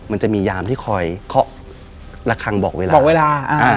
มันจะมียามที่คอยเขาะระคังบอกเวลา